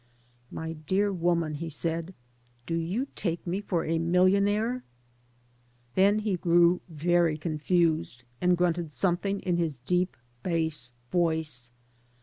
" My dear woman,*' he said, "do you take me for a millionaire?'* Then he grew very confused and grunted something in his deep, bass voice.